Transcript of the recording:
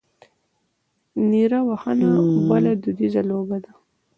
نیره وهنه بله دودیزه لوبه ده.